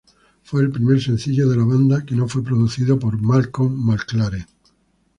Fue el primer sencillo de la banda que no fue producido por Malcolm McLaren.